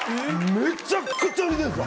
めちゃくちゃ似てるんですよ。